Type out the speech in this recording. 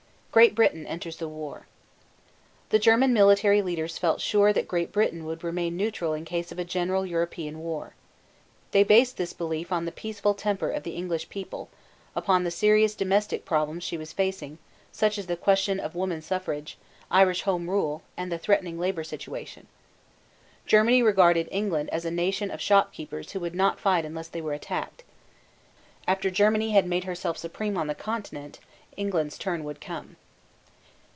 GREAT BRITAIN ENTERS THE WAR. The German military leaders felt sure that Great Britain would remain neutral in case of a general European war. They based this belief on the peaceful temper of the English people, upon the serious domestic problems she was facing, such as the question of woman suffrage, Irish Home Rule, and the threatening labor situation. Germany regarded England as a nation of shopkeepers who would not fight unless they were attacked. After Germany had made herself supreme on the Continent England's turn would come.